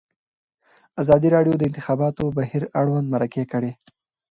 ازادي راډیو د د انتخاباتو بهیر اړوند مرکې کړي.